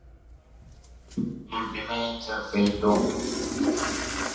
The school would not remain there very long.